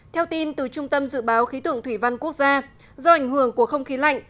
theo tin từ trung tâm dự báo khí tượng thủy văn quốc gia do ảnh hưởng của không khí lạnh